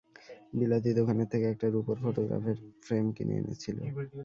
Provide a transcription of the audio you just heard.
বিলাতি দোকানের থেকে একটা রুপোর ফোটোগ্রাফের ফ্রেম কিনে এনেছিল।